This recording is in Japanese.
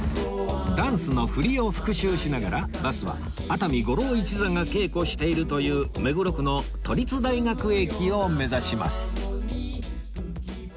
ダンスの振りを復習しながらバスは熱海五郎一座が稽古しているという目黒区の都立大学駅を目指します